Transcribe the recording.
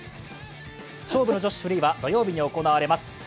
勝負の女子フリーは土曜日に行われます。